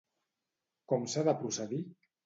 Com s'ha de procedir?